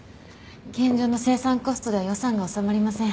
現状の生産コストでは予算が収まりません。